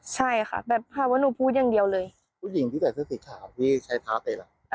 ใช่ค่ะแบบภาพว่าหนูพูดอย่างเดียวเลยผู้หญิงที่แต่เสื้อสิทธิ์ค่ะ